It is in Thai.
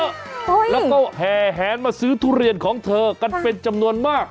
แล้วก็แห่แหนมาซื้อทุเรียนของเธอกันเป็นจำนวนมาก